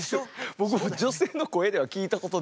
僕も女性の声では聴いたことないので。